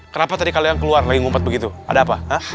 kenapa tadi kalian keluar lagi ngumpet begitu ada apa